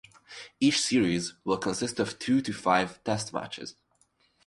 Each series will consist of two to five Test matches.